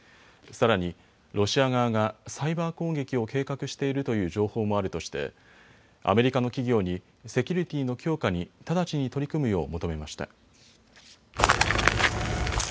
さらにロシア側がサイバー攻撃を計画しているという情報もあるとしてアメリカの企業にセキュリティーの強化に直ちに取り組むよう求めました。